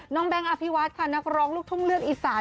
น้องแบงค์อะพิวัทค่ะนักร้องลูกทกเลือดอีสาน